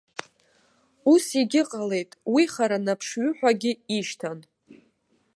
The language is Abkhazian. Ус егьыҟалеит, уи харанаԥшҩы ҳәагьы ишьҭан.